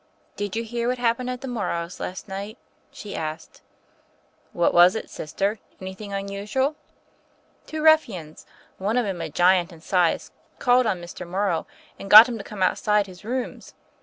Did you hear what happened at the Mor rows' last night?*' she asked. What was it, Sister? Anything unusual?" "Two ruffians, one of them a giant in size, called on Mr. Morrow, and got him to come outside his rooms.